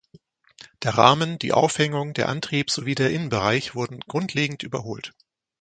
Der Rahmen, die Aufhängung, der Antrieb sowie der Innenbereich wurden grundlegend überholt.